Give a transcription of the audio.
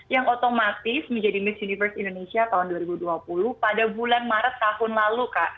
yang otomatis menjadi miss universe indonesia tahun dua ribu dua puluh pada bulan maret tahun lalu kak